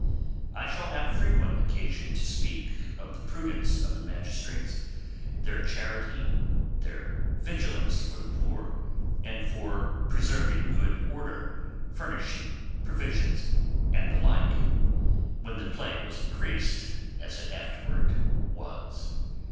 I shall have frequent occasion to speak of the prudence of the magistrates, their charity, their vigilance for the poor, and for preserving good order, furnishing provisions, and the like, when the plague was increased, as it afterwards was.